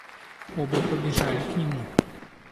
Оба побежали к нему.